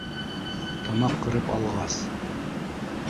Тамаҡ ҡырып алғас: